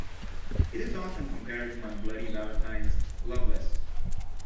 It is often compared to My Bloody Valentine's "Loveless".